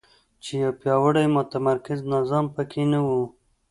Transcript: چې یو پیاوړی متمرکز نظام په کې نه وو.